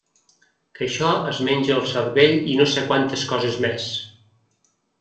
Que això es menja el cervell i no sé quantes coses més.